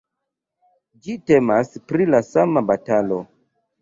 Ĝi temas pri la sama batalo.